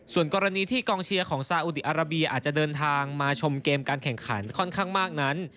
ส่วนกรณีที่กองเชียร์ของซาอุดีอาราเบียอาจจะเดินทางมาชมเกมการแข่งขันค่อนข้างมากนั้น